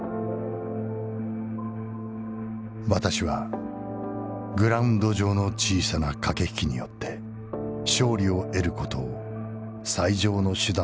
「私はグラウンド上の小さな掛引きによって勝利を得る事を最上の手段だとは思っていない。